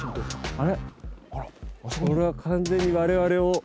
あれは完全に我々を。